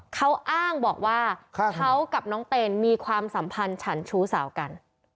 เขาอ้างบอกว่าเขากับน้องเตนมีความสัมพันธ์ฉันชู้สาวกัน